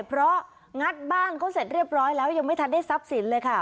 เพราะงัดบ้านเขาเสร็จเรียบร้อยแล้วยังไม่ทันได้ทรัพย์สินเลยค่ะ